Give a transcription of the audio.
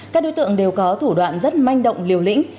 các đối tượng đều có thủ đoạn rất manh động liều lĩnh